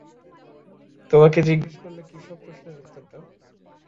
তোমাকে জিজ্ঞেস করলে কি সব প্রশ্নের উত্তর দাও?